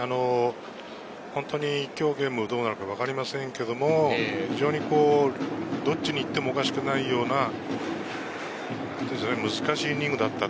本当に今日のゲームどうなるかわかりませんけれども、どっちに行ってもおかしくないような難しいイニングだった。